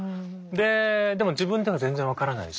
ででも自分では全然分からないし。